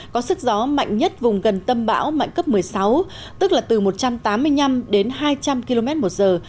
có sức gió mạnh nhất vùng gần tâm bão mạnh cấp một mươi sáu tức là từ một trăm tám mươi năm đến hai trăm linh km một giờ